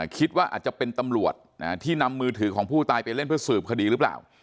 คิดว่าอาจจะเป็นตำรวจที่นำมือถือของผู้ตายไปเล่นเพื่อสืบคดีหรือเปล่า